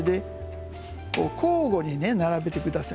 交互に並べてください。